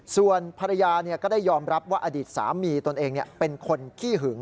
ส่วนภรรยาก็ได้ยอมรับว่าอดีตสามีตนเองเป็นคนขี้หึง